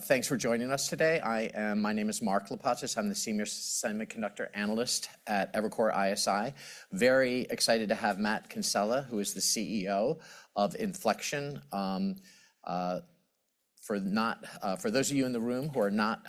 Thanks for joining us today. My name is Mark Lipacis. I'm the Senior Semiconductor Analyst at Evercore ISI. Very excited to have Matt Kinsella, who is the CEO of Infleqtion. For those of you in the room who are not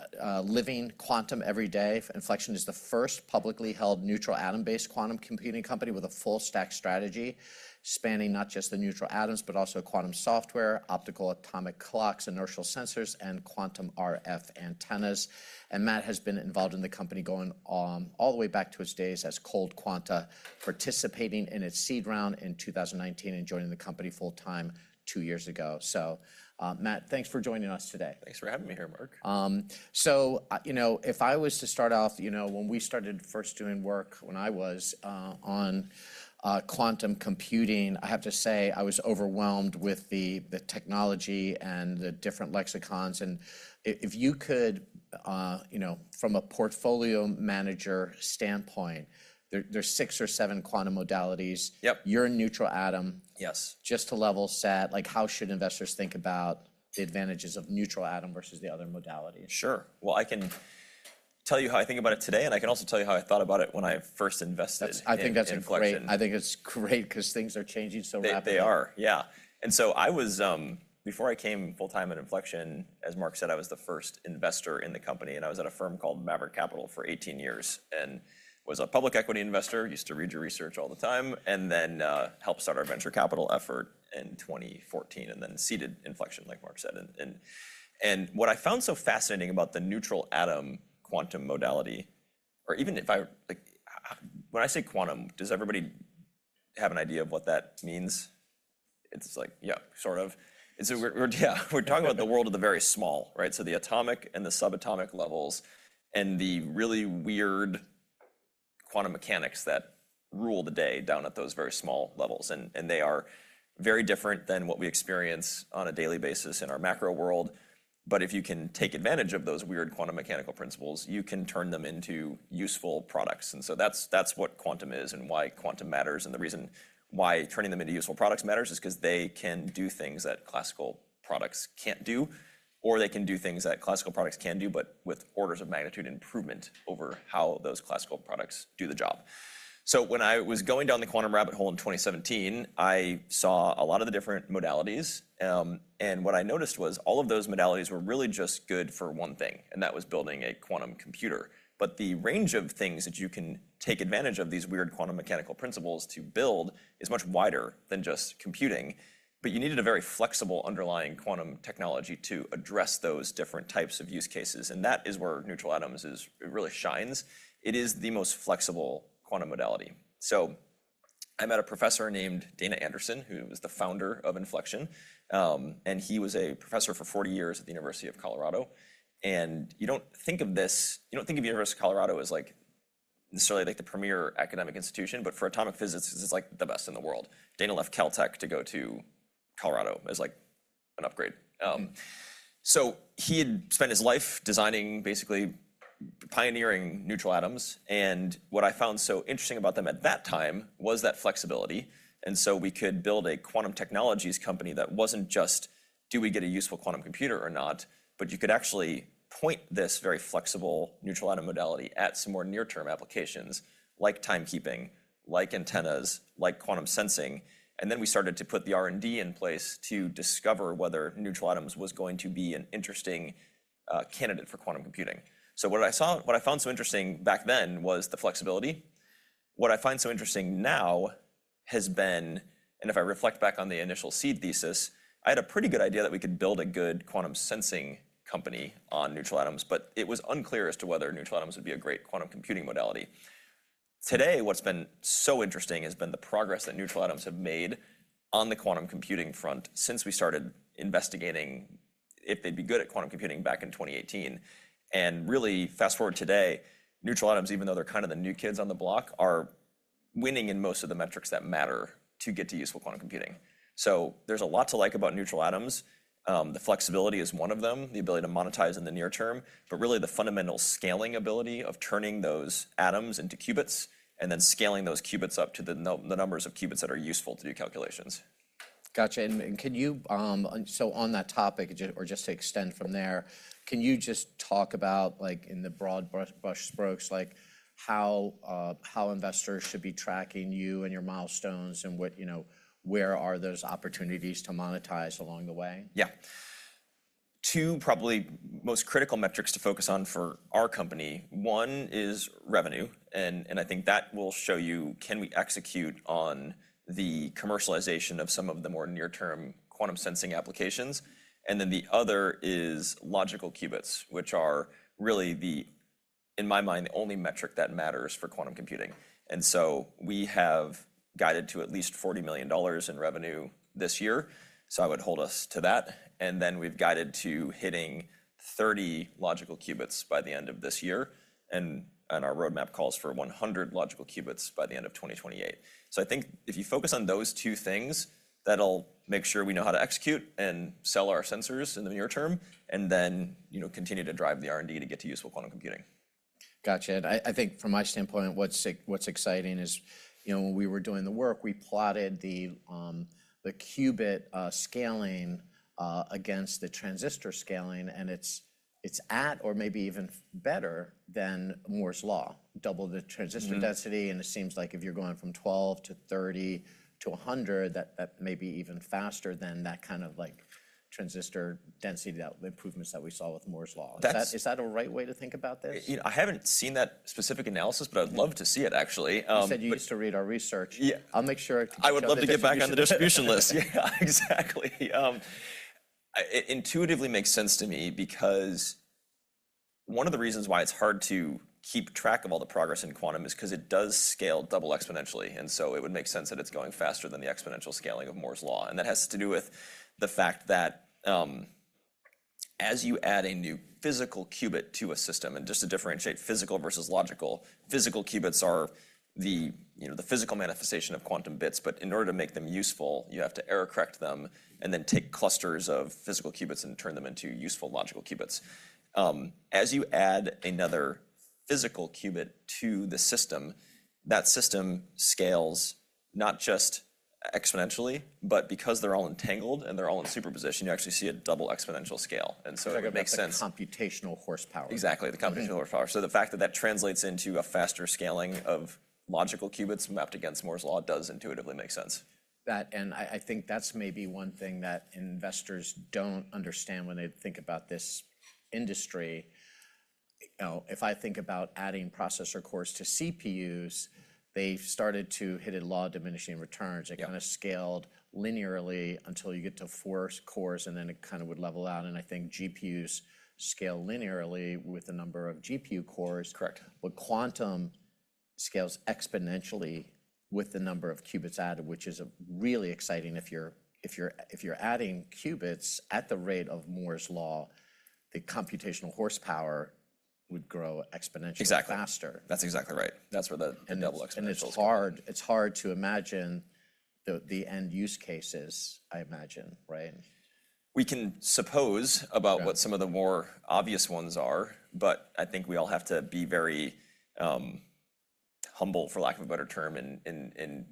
living quantum every day, Infleqtion is the first publicly held neutral atom-based quantum computing company with a full stack strategy spanning not just the neutral atoms, but also quantum software, optical atomic clocks, inertial sensors, and quantum RF antennas. Matt has been involved in the company going all the way back to its days as ColdQuanta, participating in its seed round in 2019 and joining the company full time two years ago. Thanks for having me here, Mark. If I was to start off, when we started first doing work when I was on quantum computing, I have to say I was overwhelmed with the technology and the different lexicons, and if you could from a portfolio manager standpoint, there's six or seven quantum modalities. Yep. You're a neutral atom. Yes. Just to level set, how should investors think about the advantages of neutral atom versus the other modalities? Sure. I can tell you how I think about it today, and I can also tell you how I thought about it when I first invested in Infleqtion. I think that's great, because things are changing so rapidly. They are, yeah. Before I came full time at Infleqtion, as Mark said, I was the first investor in the company, and I was at a firm called Maverick Capital for 18 years and was a public equity investor, used to read your research all the time, and then helped start our venture capital effort in 2014 and then seeded Infleqtion, like Mark said. What I found so fascinating about the neutral atom quantum modality, or even when I say quantum, does everybody have an idea of what that means? It's like, yeah, sort of. We're, yeah, we're talking about the world of the very small, right? The atomic and the subatomic levels and the really weird quantum mechanics that rule the day down at those very small levels. They are very different than what we experience on a daily basis in our macro world. If you can take advantage of those weird quantum mechanical principles, you can turn them into useful products. That's what quantum is and why quantum matters. The reason why turning them into useful products matters is because they can do things that classical products can't do, or they can do things that classical products can do, but with orders of magnitude improvement over how those classical products do the job. When I was going down the quantum rabbit hole in 2017, I saw a lot of the different modalities. What I noticed was all of those modalities were really just good for one thing, and that was building a quantum computer. The range of things that you can take advantage of these weird quantum mechanical principles to build is much wider than just computing. You needed a very flexible underlying quantum technology to address those different types of use cases, and that is where neutral atoms really shines. It is the most flexible quantum modality. I met a professor named Dana Anderson, who was the founder of Infleqtion, and he was a professor for 40 years at the University of Colorado. You don't think of the University of Colorado as necessarily the premier academic institution, but for atomic physics, it's the best in the world. Dana left Caltech to go to Colorado as an upgrade. He had spent his life designing, basically pioneering neutral atoms. What I found so interesting about them at that time was that flexibility. We could build a quantum technologies company that wasn't just, do we get a useful quantum computer or not, but you could actually point this very flexible neutral atom modality at some more near-term applications like timekeeping, like antennas, like quantum sensing. We started to put the R&D in place to discover whether neutral atoms was going to be an interesting candidate for quantum computing. What I found so interesting back then was the flexibility. What I find so interesting now has been, and if I reflect back on the initial seed thesis, I had a pretty good idea that we could build a good quantum sensing company on neutral atoms, but it was unclear as to whether neutral atoms would be a great quantum computing modality. Today, what's been so interesting has been the progress that neutral atoms have made on the quantum computing front since we started investigating if they'd be good at quantum computing back in 2018. Really fast-forward today, neutral atoms, even though they're the new kids on the block, are winning in most of the metrics that matter to get to useful quantum computing. There's a lot to like about neutral atoms. The flexibility is one of them, the ability to monetize in the near term, but really the fundamental scaling ability of turning those atoms into qubits and then scaling those qubits up to the numbers of qubits that are useful to do calculations. Got you. On that topic, or just to extend from there, can you just talk about in the broad brush strokes how investors should be tracking you and your milestones and where are those opportunities to monetize along the way? Yeah. two probably most critical metrics to focus on for our company. One is revenue, I think that will show you can we execute on the commercialization of some of the more near-term quantum sensing applications. The other is logical qubits, which are really, in my mind, the only metric that matters for quantum computing. We have guided to at least $40 million in revenue this year, I would hold us to that. We've guided to hitting 30 logical qubits by the end of this year, our roadmap calls for 100 logical qubits by the end of 2028. I think if you focus on those two things, that'll make sure we know how to execute and sell our sensors in the near term and then continue to drive the R&D to get to useful quantum computing. Gotcha. I think from my standpoint, what's exciting is when we were doing the work, we plotted the qubit scaling against the transistor scaling. It's at or maybe even better than Moore's law. Double the transistor density. It seems like if you're going from 12-30-100, that may be even faster than that kind of transistor density improvements that we saw with Moore's law. That's- Is that a right way to think about this? I haven't seen that specific analysis, but I'd love to see it, actually. You said you used to read our research. Yeah. I'll make sure to get you- I would love to get back on the distribution list. Yeah, exactly. It intuitively makes sense to me because one of the reasons why it's hard to keep track of all the progress in quantum is because it does scale double exponentially, it would make sense that it's going faster than the exponential scaling of Moore's law. That has to do with the fact that as you add a new physical qubit to a system, just to differentiate physical versus logical, physical qubits are the physical manifestation of quantum bits, but in order to make them useful, you have to error-correct them, then take clusters of physical qubits and turn them into useful logical qubits. As you add another physical qubit to the system, that system scales not just exponentially, but because they're all entangled and they're all in superposition, you actually see a double exponential scale. It makes sense. You're talking about the computational horsepower. Exactly. The computational horsepower. The fact that that translates into a faster scaling of logical qubits mapped against Moore's law does intuitively make sense. I think that's maybe one thing that investors don't understand when they think about this industry. If I think about adding processor cores to CPUs, they've started to hit a law of diminishing returns. Yeah. It kind of scaled linearly until you get to four cores, and then it would level out. I think GPUs scale linearly with the number of GPU cores. Correct. Quantum scales exponentially with the number of qubits added, which is really exciting if you're adding qubits at the rate of Moore's law, the computational horsepower would grow exponentially faster. Exactly. That's exactly right. That's where the double exponential. It's hard to imagine the end use cases, I imagine, right? We can suppose about what some of the more obvious ones are, but I think we all have to be very humble, for lack of a better term, in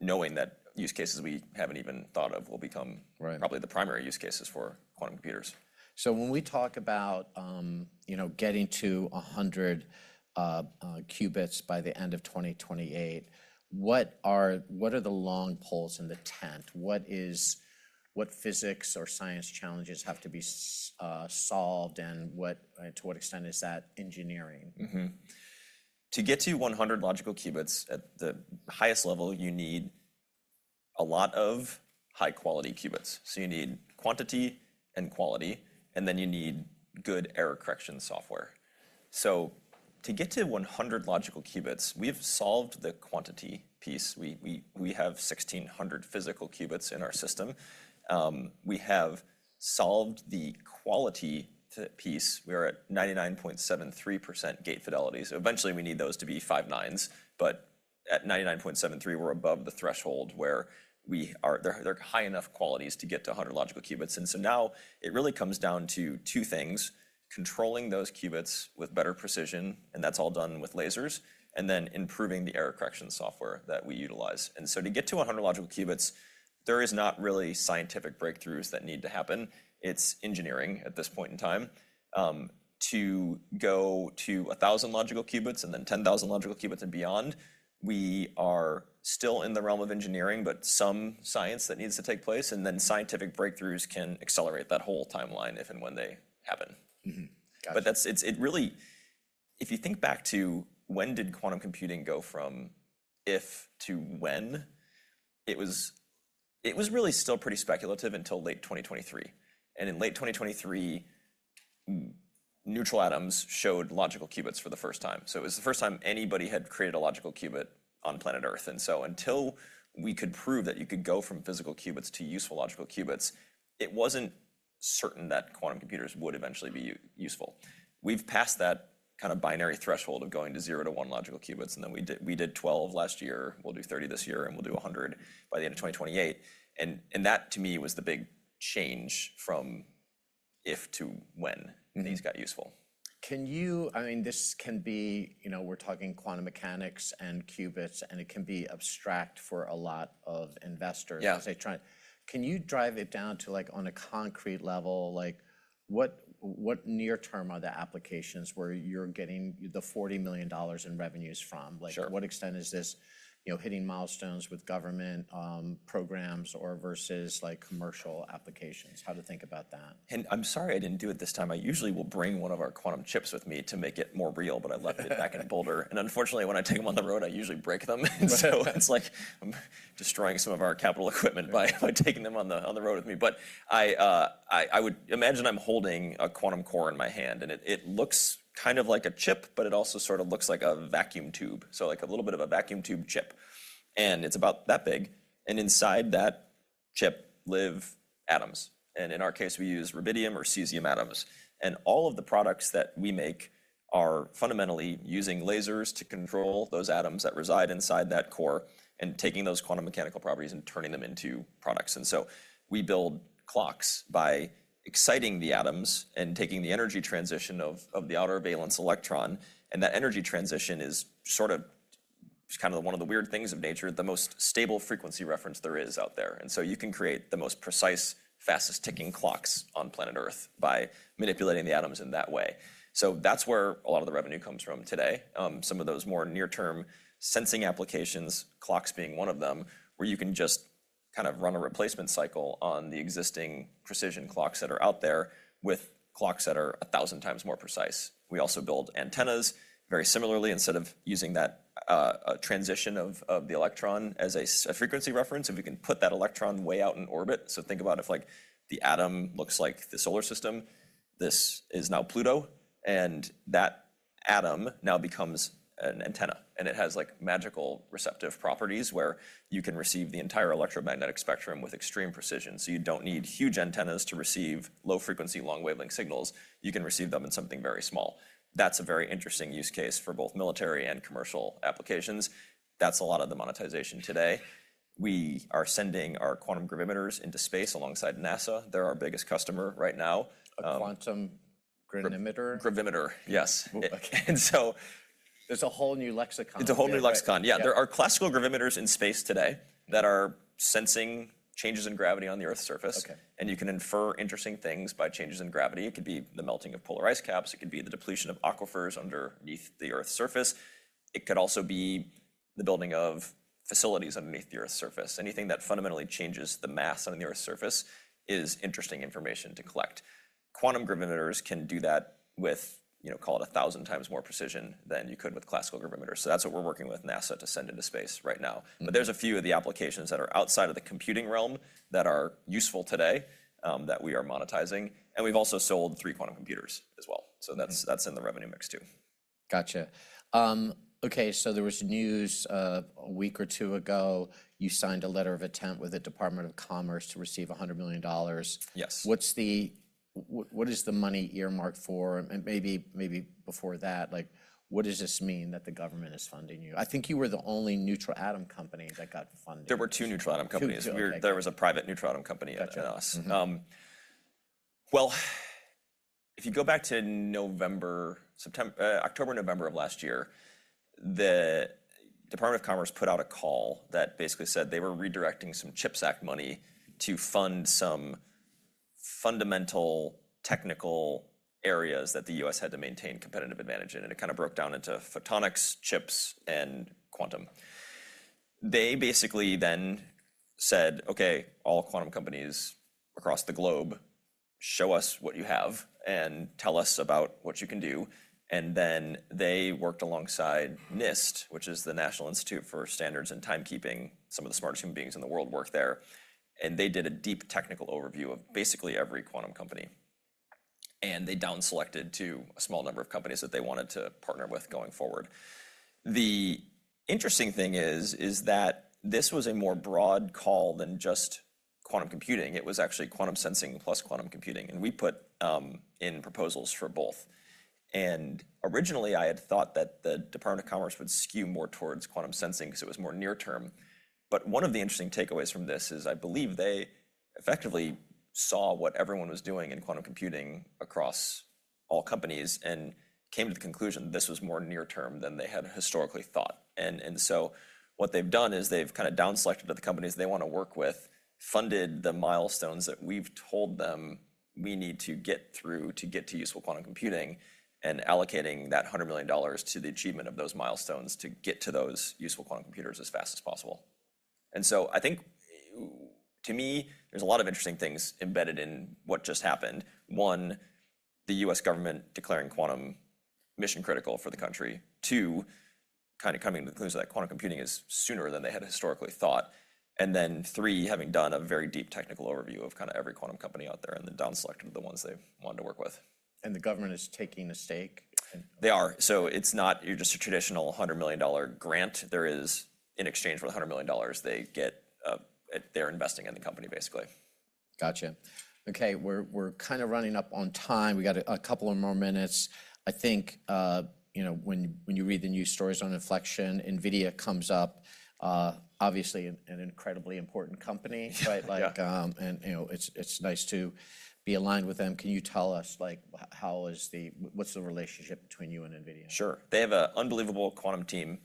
knowing that use cases we haven't even thought of will become. Right probably the primary use cases for quantum computers. When we talk about getting to 100 qubits by the end of 2028, what are the long poles in the tent? What physics or science challenges have to be solved, and to what extent is that engineering? To get to 100 logical qubits, at the highest level, you need a lot of high-quality qubits. You need quantity and quality, and then you need good error correction software. To get to 100 logical qubits, we've solved the quantity piece. We have 1,600 physical qubits in our system. We have solved the quality piece. We are at 99.73% gate fidelity. Eventually we need those to be five nines, but at 99.73%, we're above the threshold where they're high enough qualities to get to 100 logical qubits. Now it really comes down to two things: controlling those qubits with better precision, and that's all done with lasers, and then improving the error correction software that we utilize. To get to 100 logical qubits, there is not really scientific breakthroughs that need to happen. It's engineering at this point in time. To go to 1,000 logical qubits and then 10,000 logical qubits and beyond, we are still in the realm of engineering, but some science that needs to take place, and then scientific breakthroughs can accelerate that whole timeline if and when they happen. Got you. If you think back to when did quantum computing go from if to when, it was really still pretty speculative until late 2023. In late 2023, neutral atoms showed logical qubits for the first time. It was the first time anybody had created a logical qubit on planet Earth. Until we could prove that you could go from physical qubits to useful logical qubits, it wasn't certain that quantum computers would eventually be useful. We've passed that kind of binary threshold of going to zero to one logical qubits, and then we did 12 last year, we'll do 30 this year, and we'll do 100 by the end of 2028. That, to me, was the big change from if to when these got useful. We're talking quantum mechanics and qubits, and it can be abstract for a lot of investors as they try. Yeah. Can you drive it down to on a concrete level, what near term are the applications where you're getting the $40 million in revenues from? Sure. To what extent is this hitting milestones with government programs or versus commercial applications? How to think about that. I'm sorry I didn't do it this time. I usually will bring one of our quantum chips with me to make it more real, but I left it back in Boulder. Unfortunately, when I take them on the road, I usually break them. It's like I'm destroying some of our capital equipment by taking them on the road with me. I would imagine I'm holding a quantum core in my hand, and it looks kind of like a chip, but it also sort of looks like a vacuum tube. Like a little bit of a vacuum tube chip. It's about that big, and inside that chip live atoms. In our case, we use rubidium or cesium atoms. All of the products that we make are fundamentally using lasers to control those atoms that reside inside that core and taking those quantum mechanical properties and turning them into products. We build clocks by exciting the atoms and taking the energy transition of the outer valence electron, and that energy transition It's one of the weird things of nature, the most stable frequency reference there is out there. You can create the most precise, fastest ticking clocks on planet Earth by manipulating the atoms in that way. That's where a lot of the revenue comes from today. Some of those more near-term sensing applications, clocks being one of them, where you can just run a replacement cycle on the existing precision clocks that are out there with clocks that are 1,000 times more precise. We also build antennas very similarly. Instead of using that transition of the electron as a frequency reference, if we can put that electron way out in orbit, think about if the atom looks like the solar system, this is now Pluto, that atom now becomes an antenna. It has magical receptive properties where you can receive the entire electromagnetic spectrum with extreme precision. You don't need huge antennas to receive low frequency, long wavelength signals. You can receive them in something very small. That's a very interesting use case for both military and commercial applications. That's a lot of the monetization today. We are sending our quantum gravimeters into space alongside NASA. They're our biggest customer right now. A quantum gravimeter? Gravimeter, yes. Okay. And so- There's a whole new lexicon. It's a whole new lexicon. Yeah. There are classical gravimeters in space today that are sensing changes in gravity on the Earth's surface. Okay. You can infer interesting things by changes in gravity. It could be the melting of polar ice caps. It could be the depletion of aquifers underneath the Earth's surface. It could also be the building of facilities underneath the Earth's surface. Anything that fundamentally changes the mass underneath the Earth's surface is interesting information to collect. Quantum gravimeters can do that with call it 1,000 times more precision than you could with classical gravimeters. That's what we're working with NASA to send into space right now. There's a few of the applications that are outside of the computing realm that are useful today, that we are monetizing. We've also sold three quantum computers as well. That's in the revenue mix, too. Got you. Okay, there was news a week or two ago, you signed a letter of intent with the Department of Commerce to receive $100 million. Yes. What is the money earmarked for? Maybe before that, what does this mean that the government is funding you? I think you were the only neutral atom company that got funding. There were two neutral atom companies. Two, okay. There was a private neutral atom company and then us. Got you. Mm-hmm. If you go back to October, November of last year, the Department of Commerce put out a call that basically said they were redirecting some CHIPS Act money to fund some fundamental technical areas that the U.S. had to maintain competitive advantage in. It broke down into photonics, chips, and quantum. They basically said, "Okay, all quantum companies across the globe, show us what you have and tell us about what you can do." They worked alongside NIST, which is the National Institute of Standards and Technology. Some of the smartest human beings in the world work there. They did a deep technical overview of basically every quantum company. They down selected to a small number of companies that they wanted to partner with going forward. The interesting thing is that this was a more broad call than just quantum computing. It was actually quantum sensing plus quantum computing. We put in proposals for both. Originally, I had thought that the Department of Commerce would skew more towards quantum sensing because it was more near term. One of the interesting takeaways from this is I believe they effectively saw what everyone was doing in quantum computing across all companies and came to the conclusion this was more near term than they had historically thought. What they've done is they've down selected the companies they want to work with, funded the milestones that we've told them we need to get through to get to useful quantum computing, and allocating that $100 million to the achievement of those milestones to get to those useful quantum computers as fast as possible. I think to me, there's a lot of interesting things embedded in what just happened. One, the U.S. government declaring quantum mission critical for the country. Two, coming to the conclusion that quantum computing is sooner than they had historically thought. Three, having done a very deep technical overview of every quantum company out there and then down selected the ones they've wanted to work with. The government is taking a stake? They are. It's not your just a traditional $100 million grant. There is, in exchange for the $100 million, they're investing in the company, basically. Got you. Okay, we're running up on time. We got a couple of more minutes. I think, when you read the news stories on Infleqtion, NVIDIA comes up, obviously an incredibly important company, right? Yeah. It's nice to be aligned with them. Can you tell us what's the relationship between you and NVIDIA? Sure. They have an unbelievable quantum team.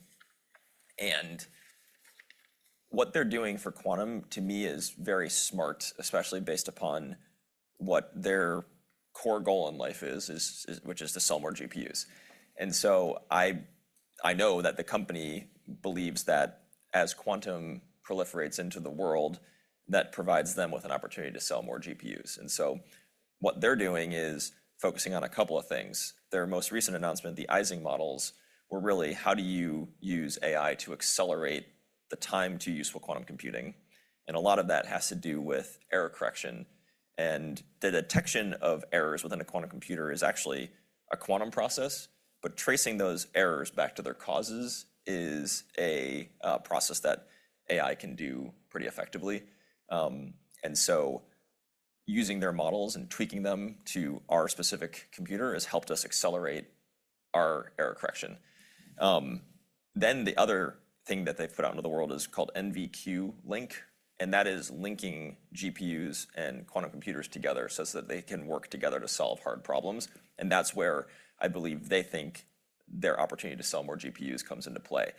What they're doing for quantum, to me, is very smart, especially based upon what their core goal in life is, which is to sell more GPUs. I know that the company believes that as quantum proliferates into the world, that provides them with an opportunity to sell more GPUs. What they're doing is focusing on a couple of things. Their most recent announcement, the Ising models, were really how do you use AI to accelerate the time to useful quantum computing? A lot of that has to do with error correction. The detection of errors within a quantum computer is actually a quantum process, but tracing those errors back to their causes is a process that AI can do pretty effectively. Using their models and tweaking them to our specific computer has helped us accelerate our error correction. The other thing that they've put out into the world is called NVQLink. That is linking GPUs and quantum computers together so that they can work together to solve hard problems. That's where I believe they think their opportunity to sell more GPUs comes into play.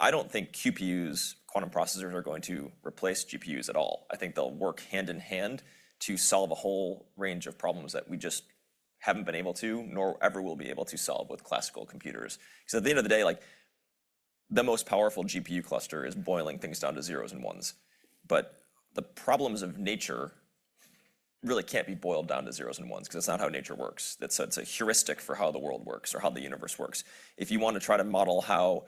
I don't think QPUs, quantum processors, are going to replace GPUs at all. I think they'll work hand in hand to solve a whole range of problems that we just haven't been able to, nor ever will be able to solve with classical computers. At the end of the day, the most powerful GPU cluster is boiling things down to zeros and ones. The problems of nature really can't be boiled down to zeros and ones because that's not how nature works. That's a heuristic for how the world works or how the universe works. If you want to try to model how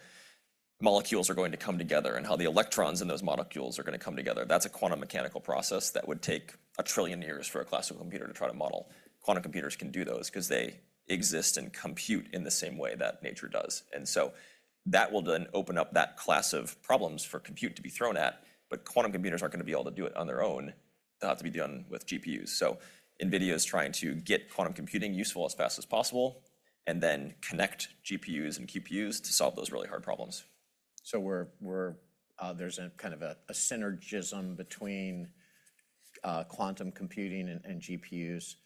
molecules are going to come together and how the electrons in those molecules are going to come together, that's a quantum mechanical process that would take 1 trillion years for a classical computer to try to model. Quantum computers can do those because they exist and compute in the same way that nature does. That will then open up that class of problems for compute to be thrown at, but quantum computers aren't going to be able to do it on their own. They'll have to be done with GPUs. NVIDIA's trying to get quantum computing useful as fast as possible and then connect GPUs and QPUs to solve those really hard problems. There's a synergism between quantum computing and GPUs,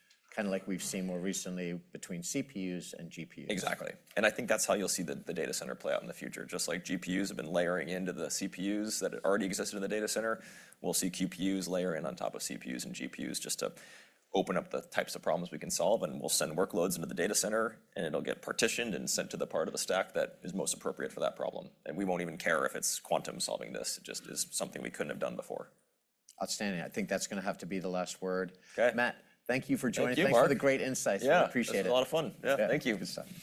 like we've seen more recently between CPUs and GPUs. Exactly. I think that's how you'll see the data center play out in the future. Just like GPUs have been layering into the CPUs that already existed in the data center, we'll see QPUs layer in on top of CPUs and GPUs just to open up the types of problems we can solve, and we'll send workloads into the data center, and it'll get partitioned and sent to the part of the stack that is most appropriate for that problem. We won't even care if it's quantum solving this. It just is something we couldn't have done before. Outstanding. I think that's going to have to be the last word. Okay. Matt, thank you for joining. Thank you, Mark. Thanks for the great insights. Yeah. Appreciate it. It was a lot of fun. Yeah. Thank you. Good stuff